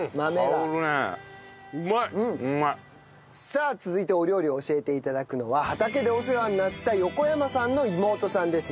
さあ続いてお料理を教えて頂くのは畑でお世話になった横山さんの妹さんです。